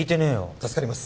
助かります。